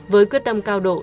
với quyết tâm cao độ